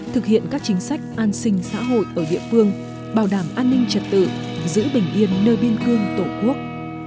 thực hiện các chính sách an sinh xã hội ở địa phương bảo đảm an ninh trật tự giữ bình yên nơi biên cương tổ quốc